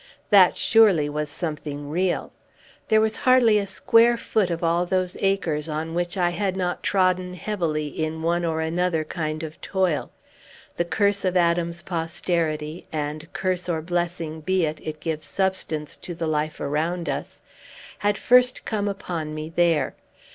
That surely was something real. There was hardly a square foot of all those acres on which I had not trodden heavily, in one or another kind of toil. The curse of Adam's posterity and, curse or blessing be it, it gives substance to the life around us had first come upon me there.